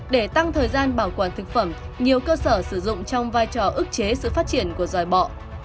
để tăng thời gian bảo quản thực phẩm nhiều cơ sở sử dụng trong vai trò ức chế sự phát triển của dòi bọ